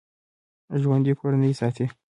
ژوندي کورنۍ ساتي